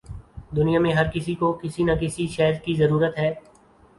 دنیا میں ہر کسی کو کسی نہ کسی شے کی ضرورت ہے